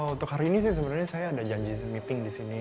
untuk hari ini sih sebenarnya saya ada janji meeting di sini